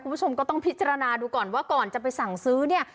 คุณผู้ชมก็ต้องพิจารณาดูก่อนว่าก่อนจะไปสั่งซื้อเนี่ย